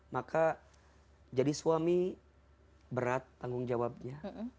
maka jadi suami berat tanggung jawabnya